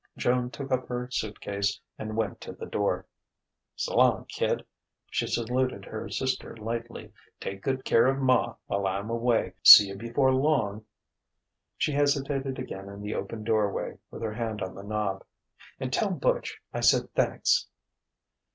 Joan took up her suit case and went to the door. "S'long, kid," she saluted her sister lightly. "Take good care of ma while I'm away. See you before long." She hesitated again in the open doorway, with her hand on the knob. "And tell Butch I said thanks."